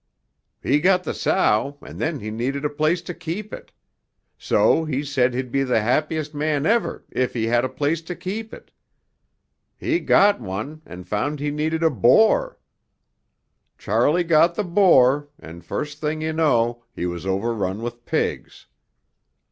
He got the sow and then he needed a place to keep it. So he said he'd be the happiest man ever if he had a place to keep it. He got one and found he needed a boar. Charley got the boar and first thing you know he was overrun with pigs.